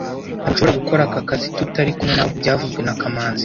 Ntabwo nshobora gukora aka kazi tutari kumwe nawe byavuzwe na kamanzi